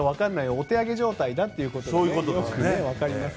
お手上げ状態だということですね。